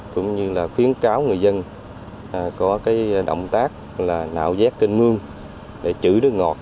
cũng như là khuyến cáo người dân có cái động tác là nạo vét kênh mương để chữ nước ngọt